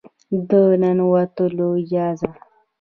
د ننوتلو اجازه